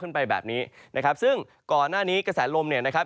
ไปแบบนี้นะครับซึ่งก่อนหน้านี้กระแสลมเนี่ยนะครับ